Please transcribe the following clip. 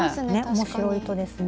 面白い糸ですね。